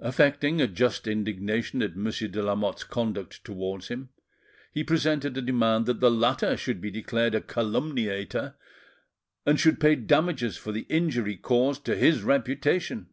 Affecting a just indignation at Monsieur de Lamotte's conduct towards him, he presented a demand that the latter should be declared a calumniator, and should pay damages for the injury caused to his reputation.